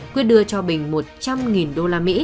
quyết đưa cho bình một trăm linh đô la mỹ